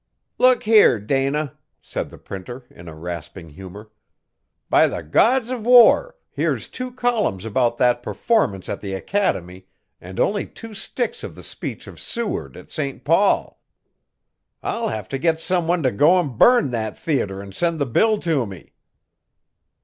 'Look here, Dana,' said the Printer, in a rasping humour. 'By the gods of war! here's two columns about that performance at the Academy and only two sticks of the speech of Seward at St Paul. I'll have to get someone to go an' burn that theatre an' send the bill to me.